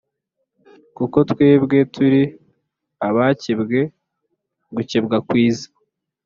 kuko twebwe turi abakebwe gukebwa kwiza